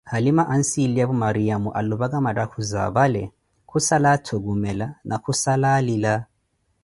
Halima anssiliyevo Mariamo alupaka mathakhuzi apale khussala attukumela na khussala alila